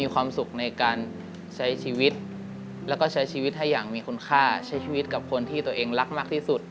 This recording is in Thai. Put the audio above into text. คุณค่าใช้ชีวิตกับคนที่ตัวเองรักมากที่สุด